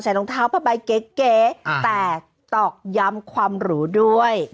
รองเท้าผ้าใบเก๋แตกตอกย้ำความรู้ด้วย